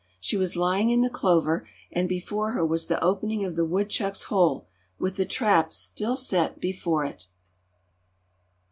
She was lying in the clover, and before her was the opening of the woodchuck's hole, with the trap still set before it.